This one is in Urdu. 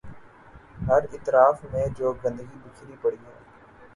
ہر اطراف میں جو گندگی بکھری پڑی ہے۔